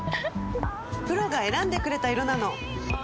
プロが選んでくれた色なの！